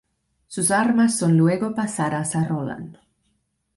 Sus armas son luego pasadas a Roland.